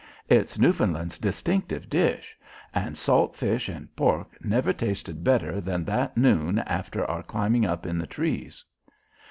It's Newfoundland's distinctive dish and salt fish and pork never tasted better than that noon after our climbing up in the trees.